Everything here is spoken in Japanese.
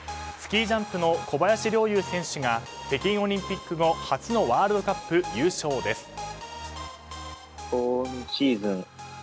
スキージャンプの小林陵侑選手が北京オリンピック後初のワールドカップ優勝です。